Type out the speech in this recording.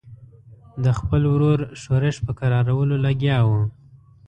د خپل ورور ښورښ په کرارولو لګیا وو.